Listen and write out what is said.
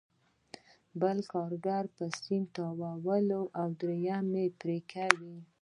بل کارګر به سیم تاواوه او درېیم به پرې کاوه